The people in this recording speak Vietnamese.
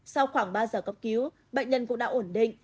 sau khoảng ba giờ cấp cứu bệnh nhân cũng đã ổn định